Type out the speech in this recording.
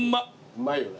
うまいよな。